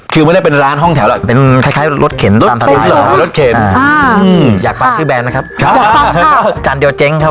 เฮ้ยเดี๋ยวนะคะทำไมวะ